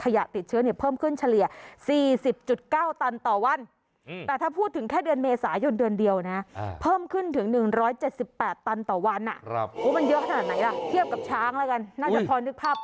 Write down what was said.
เยอะขนาดไหนล่ะเทียบกับช้างแล้วกันน่าจะพอนึกภาพออก